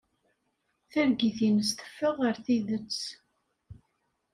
Targit-nnes teffeɣ ɣer tidet.